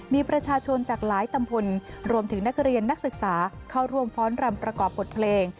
มีประชาชนจากหลายตำพลรวมถึงนักเรียนนักศึกษาเข้าร่วมฟ้อนรำประกอบบทเพลง